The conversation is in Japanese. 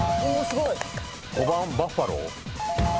５番バッファロー？